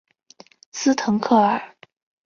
斯滕克尔。